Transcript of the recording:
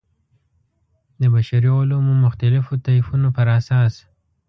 د بشري علومو مختلفو طیفونو پر اساس.